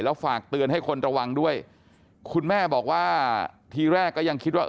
แล้วฝากเตือนให้คนระวังด้วยคุณแม่บอกว่าทีแรกก็ยังคิดว่า